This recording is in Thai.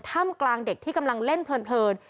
ถ้ำกลางเด็กที่กำลังเล่นเพลิน